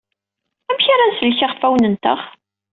Amek ara nsellek iɣfawen-nteɣ?